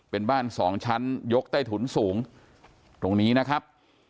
เป็นบ้านสองชั้นยกใต้ถุนสูงตรงนี้นะครับ